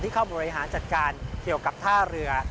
เข้าบริหารจัดการเกี่ยวกับท่าเรือ